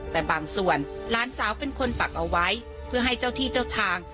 แต่บางส่วนหลานสาวเป็นคนปักเอาไว้เพื่อให้เจ้าที่เจ้าทาง